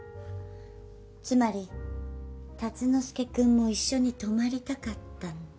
つまり竜之介君も一緒に泊まりたかったんだ。